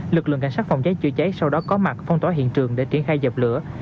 lực lượng cảnh sát phòng cháy chữa cháy sau đó có mặt phong tỏa hiện trường để triển khai dập lửa